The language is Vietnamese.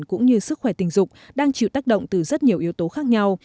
cũng như sức khỏe tình dục đang chịu tác động từ rất nhiều yếu tố khác nhau